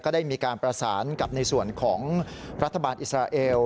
ได้มีการประสานกับในส่วนของรัฐบาลอิสราเอล